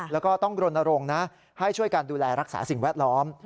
แล้วก็ต้องรณรงค์นะให้ช่วยการดูแลรักษาสิ่งแวดล้อม